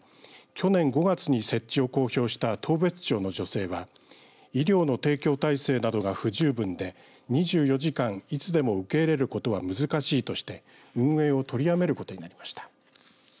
去年５月に設置を公表した当別町の女性は医療の提供体制などが不十分で２４時間いつでも受け入れることは難しいとして運営を取りやめることになりました。